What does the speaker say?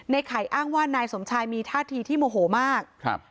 ไข่อ้างว่านายสมชายมีท่าทีที่โมโหมากครับ